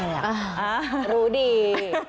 อ่ารู้ดี